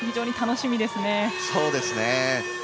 そうですね。